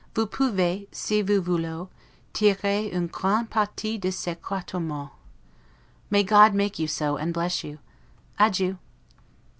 'Vous pouvez, si vous le voulex, tirer un grand parti de ces quatre mois'. May God make you so, and bless you! Adieu.